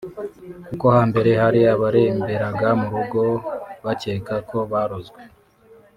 kuko hambere hari abaremberaga mu rugo bakeka ko barozwe